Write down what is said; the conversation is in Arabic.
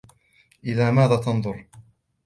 الى ماذا تنظر ؟